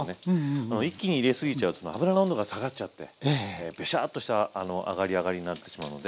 一気に入れ過ぎちゃうと油の温度が下がっちゃってベシャーっとした揚がり上がりになってしまうので。